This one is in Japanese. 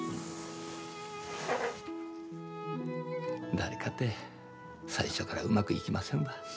誰かて最初からうまくいきませんわ。